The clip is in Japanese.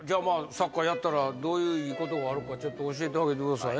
サッカーやったらどういういいことがあるかちょっと教えてあげてください。